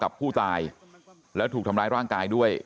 กระดิ่งเสียงเรียกว่าเด็กน้อยจุดประดิ่ง